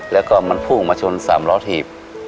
แล้วก็มันพุ่งมาชน๓ล้อถีบ